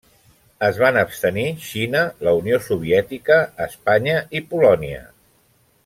Es van abstenir Xina, la Unió Soviètica, Espanya i Polònia.